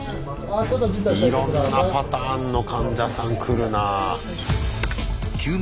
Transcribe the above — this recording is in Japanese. いろんなパターンの患者さん来るなあ。